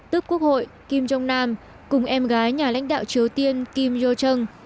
tước quốc hội kim jong nam cùng em gái nhà lãnh đạo triều tiên kim yo chung